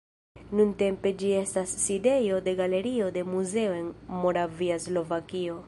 Nuntempe ĝi estas sidejo de Galerio de muzeo en Moravia Slovakio.